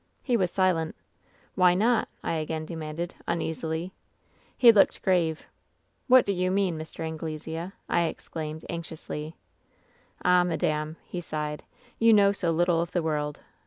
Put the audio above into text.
"He was silent. " 'Why not V I again demanded, uneasily. "He looked grave. " 'What do you mean, Mr. Anglesea V I exclaimed, anxiously. " 'Ah, madame !' he sighed. 'You know so little of the world